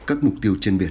các mục tiêu trên biển